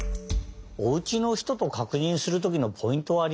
おうちのひととかくにんするときのポイントはありますか？